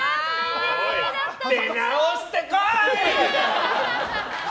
出直してこい！